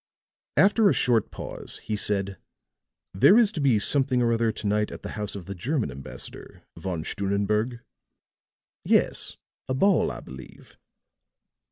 After a short pause he said: "There is to be something or other to night at the house of the German ambassador, Von Stunnenberg?" "Yes, a ball, I believe."